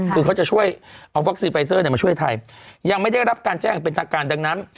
คือเขาจะช่วยเอาวัคซีนไฟเซอร์มาช่วยไทยยังไม่ได้รับการแจ้งเป็นทางการดังนั้น